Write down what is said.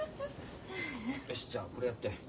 よしじゃこれやって。